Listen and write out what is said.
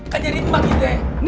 kajarin emak ke tb